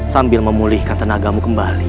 sambil memulihkan tenagamu kembali